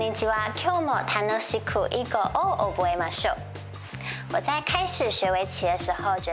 今日も楽しく囲碁を覚えましょう。